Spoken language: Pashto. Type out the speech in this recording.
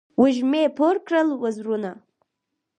وږمې پور کړل وزرونه